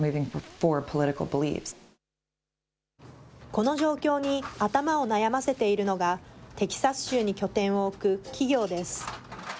この状況に頭を悩ませているのが、テキサス州に拠点を置く企業です。